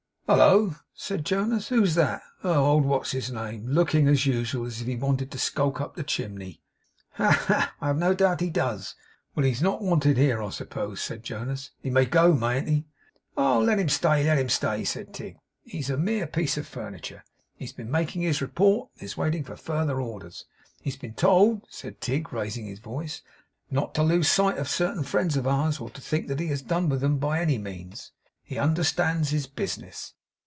'Hallo!' said Jonas, 'Who's that? Oh, old what's his name: looking (as usual) as if he wanted to skulk up the chimney.' 'Ha, ha! I have no doubt he does.' 'Well! He's not wanted here, I suppose,' said Jonas. 'He may go, mayn't he?' 'Oh, let him stay, let him stay!' said Tigg. 'He's a mere piece of furniture. He has been making his report, and is waiting for further orders. He has been told,' said Tigg, raising his voice, 'not to lose sight of certain friends of ours, or to think that he has done with them by any means. He understands his business.